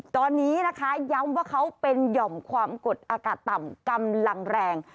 ตอนนี้นะคะย้ำว่าเขาเป็นหย่อมความกดอากาศต่ำกำลังแรง